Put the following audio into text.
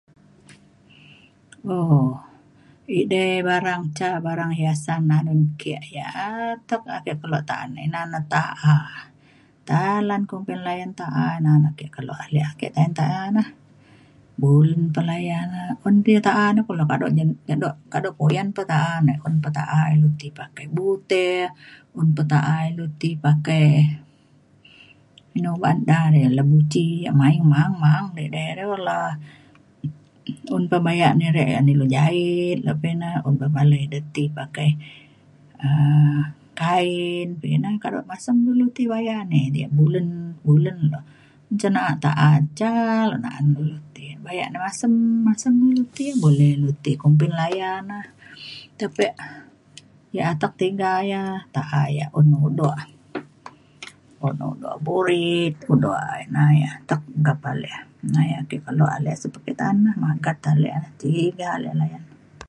um edei barang ca barang hiasan anun ke yak atek ake kelo ta’an ina na ta’a. talan kumbin layan ta’a na na ake kelo ale layan ta’a na. bulen pa layak na un pa tepalai ta’a na kulo kado puyan pa ta’a ne. un pa ta’a ilu ti pakai bute un pa ta’a ilu ti pakai inu ba’an da re labuci yak mayeng ma’ang ma’ang di di re kulo. un pa bayak ni re an ilu jahit lepa ina un pa palai ida ti pakai um kain kuak ina kado masem dulu ti baya ni yak bulen bulen lok. cin na’a ta’a ca lok na’an bayak dulu ti. masem masem ilu ti boleh ilu ti kumbin layan na. tapek yak atek tiga ia’ ta’a yak un udok un udok burit udok ina ya atek gap ale. ina yak ake kelo ale [unintelligible] ta’an na magat ale tiga ale layan.